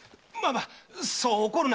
そう怒るな。